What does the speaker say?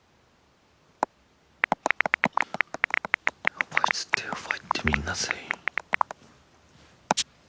やっぱあいつってやばいってみんな全員。